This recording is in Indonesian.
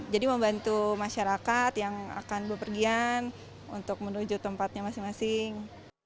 jadi membantu masyarakat yang akan berpergian untuk menuju tempatnya masing masing